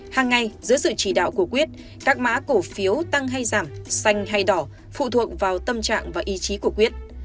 hàng ngày dưới sự chỉ đạo của quyết các mã cổ phiếu tăng hay giảm xanh hay đỏ phụ thuộc vào tâm trạng và ý chí của quyết